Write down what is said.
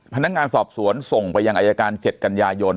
พนักงานสอบสวนส่งไปยังอายการ๗กันยายน